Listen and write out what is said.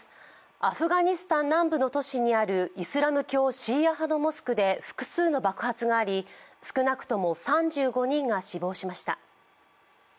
アフガニスタン南部の都市にあるイスラム教シーア派のモスクで複数の爆発があり少なくとも３５人が死亡しました。